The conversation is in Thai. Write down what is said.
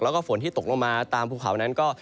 แล้วก็ฝนที่ตกลงมาตามภูเขานั้นก็